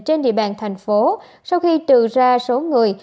trên địa bàn thành phố sau khi trừ ra số người